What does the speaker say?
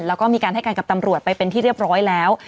แล้วก็มีการให้กันกับตำรวจไปเป็นที่เรียบร้อยแล้ว